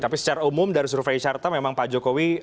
tapi secara umum dari survei syarta memang pak jokowi